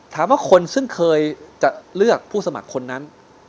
ถามว่าคนซึ่งเคยจะเลือกผู้สมัครคนนั้น